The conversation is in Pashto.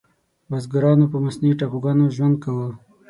بزګرانو په مصنوعي ټاپوګانو ژوند کاوه.